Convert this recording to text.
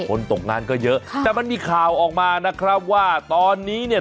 ตกงานก็เยอะค่ะแต่มันมีข่าวออกมานะครับว่าตอนนี้เนี่ย